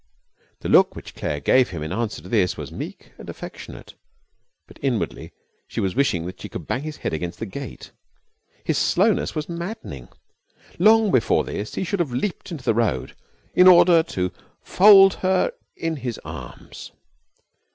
The look which Claire gave him in answer to this was meek and affectionate, but inwardly she was wishing that she could bang his head against the gate. His slowness was maddening. Long before this he should have leaped into the road in order to fold her in his arms.